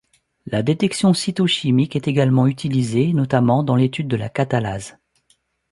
La détection cytochimique est également utilisée, notamment dans l'étude de la catalase.